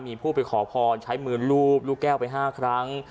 มีผู้ไปขอพรใช้มือรูปลูกแก้วไป๕ครั้ง